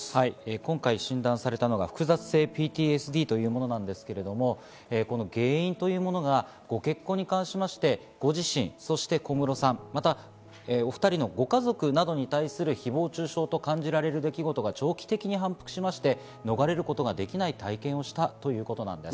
今回診断されたのが複雑性ＰＴＳＤというものですが、この原因というものがご結婚に関しまして、ご自身、小室さん、またお２人のご家族に対する誹謗中傷と感じられる出来事が長期的に反復し逃れることができない体験をしたということなんです。